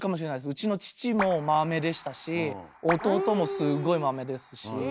うちの父もまめでしたし弟もすごいまめですし。